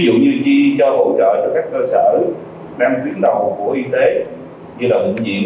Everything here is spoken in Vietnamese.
rồi hỗ trợ cho công nhân là công đoàn viên